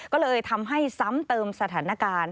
ก็เลยทำให้ซ้ำเติมสถานการณ์